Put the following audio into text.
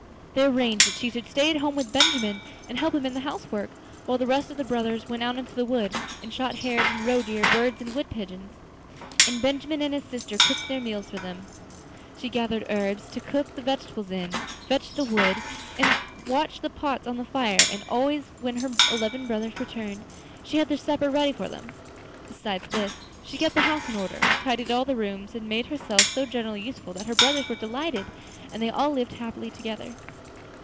They arranged that she should stay at home with Benjamin and help him in the house work, while the rest of the brothers went out into the wood and shot hares and roe deer, birds and wood pigeons. And Benjamin and his sister cooked their meals for them. She gathered herbs to cook the vegetables in, fetched the wood, and watched the pots on the fire, and always when her eleven brothers returned she had their supper ready for them. Besides this, she kept the house in order, tidied all the rooms, and made herself so generally useful that her brothers were delighted, and they all lived happily together.